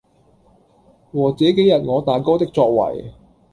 和這幾天我大哥的作爲，